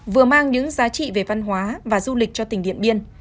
vừa mang những giá trị về văn hóa và du lịch cho tỉnh điện biên